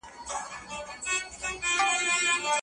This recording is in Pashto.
کیتوني تغذیه د غوړو پر اساس انرژي تولیدوي.